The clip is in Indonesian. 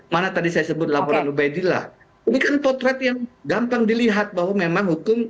mana tadi saya sebut laporan ubaidillah ini kan potret yang gampang dilihat bahwa memang hukum